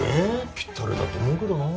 ぴったりだと思うけどなあ。